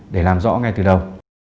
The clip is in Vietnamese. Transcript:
để làm rõ ngay từ đầu